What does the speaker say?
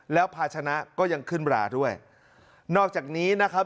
แล้วภาชนะก็ยังขึ้นราด้วยนอกจากนี้นะครับ